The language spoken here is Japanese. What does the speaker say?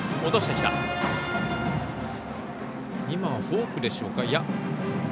今、フォークでしょうか。